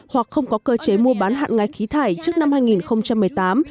hoặc không có cơ chế mua bán hạn ngạch khí thải trước năm hai nghìn một mươi tám